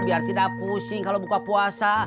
biar tidak pusing kalau buka puasa